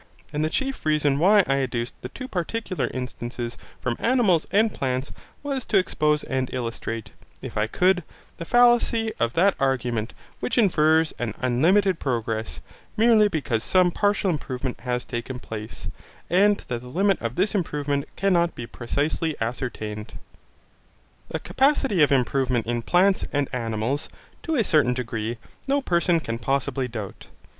And the chief reason why I adduced the two particular instances from animals and plants was to expose and illustrate, if I could, the fallacy of that argument which infers an unlimited progress, merely because some partial improvement has taken place, and that the limit of this improvement cannot be precisely ascertained. The capacity of improvement in plants and animals, to a certain degree, no person can possibly doubt.